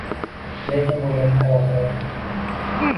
Lekin bu mening hayotim edi.